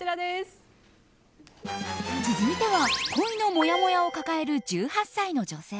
続いては、恋のもやもやを抱える１８歳の女性。